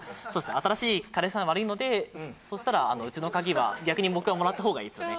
新しい彼氏さんに悪いのでそしたらうちの鍵は逆に僕がもらった方がいいですよね